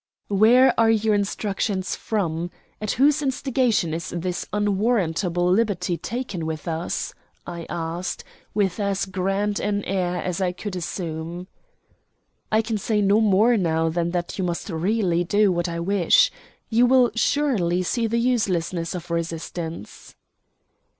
"Where are your instructions from? At whose instigation is this unwarrantable liberty taken with us?" I asked, with as grand an air as I could assume. "I can say no more now than that you must really do what I wish. You will surely see the uselessness of resistance."